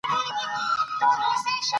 د علمي او تعلیمي خدماتو وړاندې کول.